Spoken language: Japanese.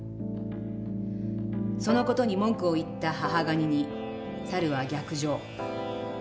その事に文句を言った母ガニに猿は逆上。